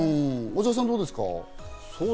小澤さん、どうですか？